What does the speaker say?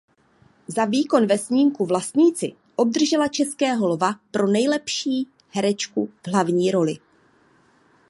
Za výkon ve snímku "Vlastníci" obdržela Českého lva pro nejlepší herečku v hlavní roli.